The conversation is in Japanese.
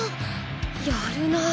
やるな。